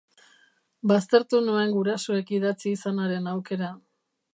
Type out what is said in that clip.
Baztertu nuen gurasoek idatzi izanaren aukera.